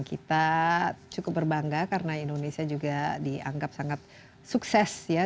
kita cukup berbangga karena indonesia juga dianggap sangat sukses ya